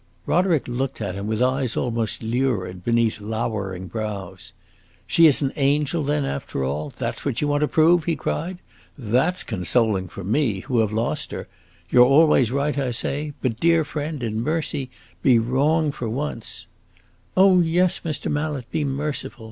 Roderick looked at him with eyes almost lurid, beneath lowering brows. "She is an angel, then, after all? that 's what you want to prove!" he cried. "That 's consoling for me, who have lost her! You 're always right, I say; but, dear friend, in mercy, be wrong for once!" "Oh yes, Mr. Mallet, be merciful!"